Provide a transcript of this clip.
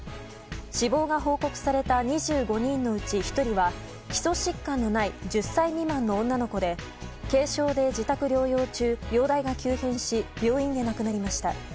死亡が報告された２５人のうち１人は基礎疾患のない１０歳未満の女の子で軽症で自宅療養中、容体が急変し病院で亡くなりました。